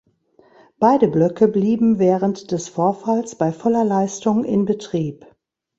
Beide Blöcke blieben während des Vorfalls bei voller Leistung in Betrieb.